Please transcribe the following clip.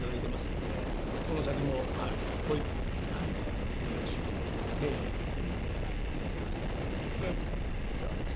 この先も一歩一歩いただく仕事を丁寧にやらせていただこうかなと思ってます。